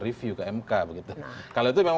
iya hal itu